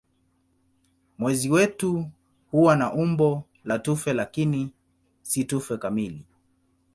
Mwezi wetu huwa na umbo la tufe lakini si tufe kamili.